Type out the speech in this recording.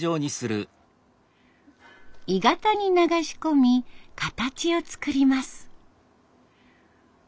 鋳型に流し込み形を作ります。